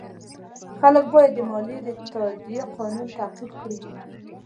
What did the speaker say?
خلک باید د مالیې د تادیې قانون تعقیب کړي.